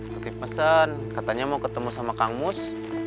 ketik pesan katanya mau ketemu sama kang mus